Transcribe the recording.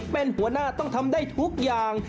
เป็นหัวหน้าต้องทำได้ทุกอย่าง